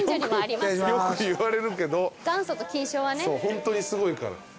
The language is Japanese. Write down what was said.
ホントにすごいから。